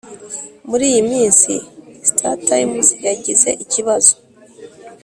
muri iyi minsi, startimes yagize ikibazo